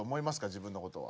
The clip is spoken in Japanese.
自分のことは。